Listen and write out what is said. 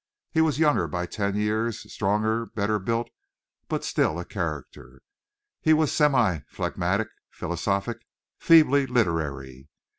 He was younger by ten years, stronger, better built, but still a character. He was semi phlegmatic, philosophic, feebly literary.